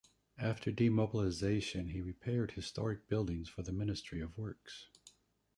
After demobilisation he repaired historic buildings for the Ministry of Works.